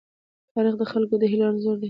تاریخ د خلکو د هيلو انځور دی.